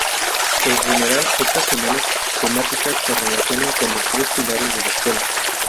En general, estas semanas temáticas se relacionan con los tres pilares de la Escuela.